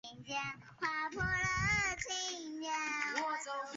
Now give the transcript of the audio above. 素攀地是某些泰国学者宣称曾经建立在其中部的古国。